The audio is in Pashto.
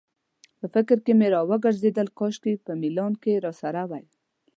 په فکر کې مې راوګرځېدل، کاشکې په میلان کې راسره وای.